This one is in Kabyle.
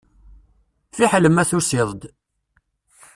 Fiḥel ma tusiḍ-d.